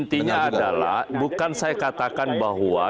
intinya adalah bukan saya katakan bahwa